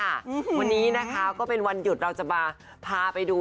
วันนี้นะคะก็เป็นวันหยุดเราจะมาพาไปดู